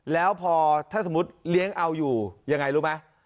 แล้วพอถ้าสมมุติเลี้ยงเอาอยู่ยังไงรู้ไหม